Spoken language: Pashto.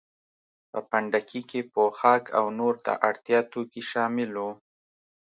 په پنډکي کې پوښاک او نور د اړتیا توکي شامل وو.